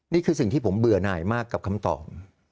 นี่คือสิ่งที่ผมเบื่อหน่ายมากกับคำตอบ